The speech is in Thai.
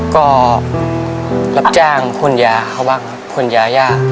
ก็รับจ้างคุณยาเขาบ้างครับคุณยาย่า